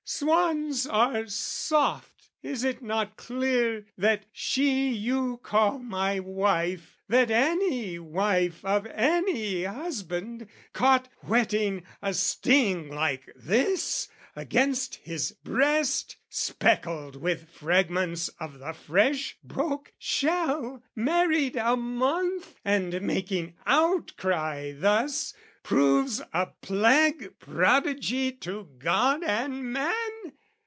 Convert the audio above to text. Swans are soft: Is it not clear that she you call my wife, That any wife of any husband, caught Whetting a sting like this against his breast, Speckled with fragments of the fresh broke shell, Married a month and making outcry thus, Proves a plague prodigy to God and man?